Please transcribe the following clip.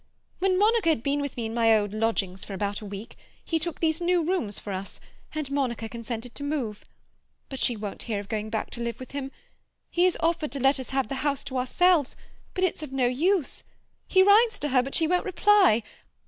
When Monica had been with me in my old lodgings for about a week he took these new rooms for us, and Monica consented to remove. But she won't hear of going back to live with him. He has offered to let us have the house to ourselves, but it's no use. He writes to her, but she won't reply.